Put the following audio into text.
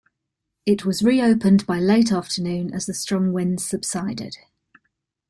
It was re-opened by late afternoon as the strong winds subsided.